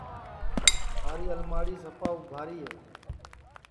تھاری الماڑی سپا اُبھاری ہے